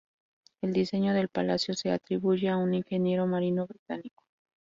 El diseño del palacio se atribuye a un ingeniero marino británico.